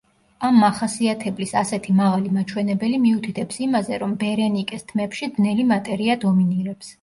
ამ მახასიათებლის ასეთი მაღალი მაჩვენებელი მიუთითებს იმაზე, რომ ბერენიკეს თმებში ბნელი მატერია დომინირებს.